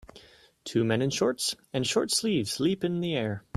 Two men in shorts and short sleeves leap in the air